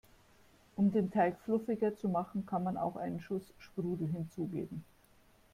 Um den Teig fluffiger zu machen, kann man auch einen Schuss Sprudel hinzugeben.